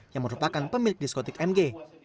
yang merupakan pemilik diskotik mg